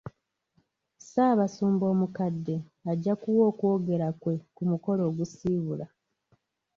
Ssaabasumba omukadde ajja kuwa okwogera kwe ku mukolo ogusiibula.